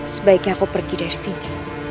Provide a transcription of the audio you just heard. sebaiknya aku pergi dari sini